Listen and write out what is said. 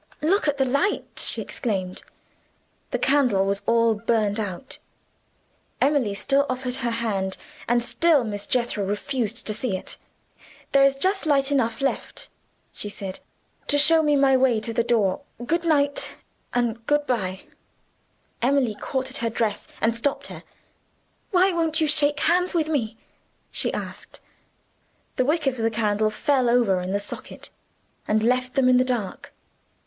"Look at the light!" she exclaimed. The candle was all burned out. Emily still offered her hand and still Miss Jethro refused to see it. "There is just light enough left," she said, "to show me my way to the door. Good night and good by." Emily caught at her dress, and stopped her. "Why won't you shake hands with me?" she asked. The wick of the candle fell over in the socket, and left them in the dark.